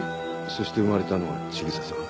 そして生まれたのは千草さん。